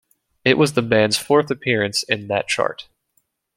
It was the band's fourth appearance in that chart.